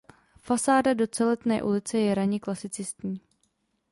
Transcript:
Fasáda do Celetné ulice je raně klasicistní.